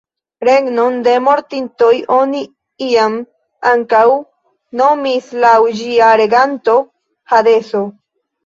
Regnon de mortintoj oni iam ankaŭ nomis laŭ ĝia reganto "hadeso".